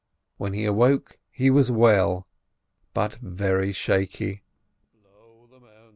When he awoke he was well, but very shaky.